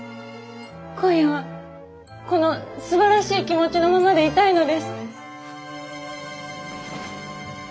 今夜はこのすばらしい気持ちのままでいたいのです。